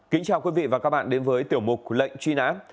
kính chào quý vị và các bạn đến với tiểu mục lệnh truy nã